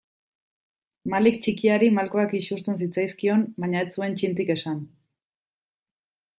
Malik txikiari malkoak isurtzen zitzaizkion baina ez zuen txintik esan.